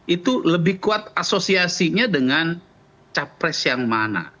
itu lebih kuat asosiasinya dengan capres yang mana